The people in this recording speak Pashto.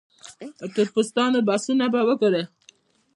د ټوریسټانو بسونه به وګورئ.